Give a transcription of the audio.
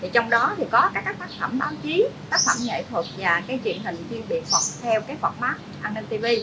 trong đó có các tác phẩm báo chí tác phẩm nghệ thuật và truyền hình riêng biệt hoặc theo format an ninh tv